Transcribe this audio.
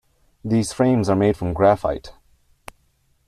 These frames are made from graphite.